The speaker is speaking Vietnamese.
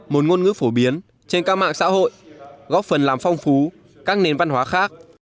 một ngôn ngữ phổ biến trên các mạng xã hội góp phần làm phong phú các nền văn hóa khác